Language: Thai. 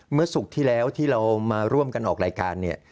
เมื่อศุกร์ที่แล้วที่เรามาร่วมกันออกรายการเนี่ย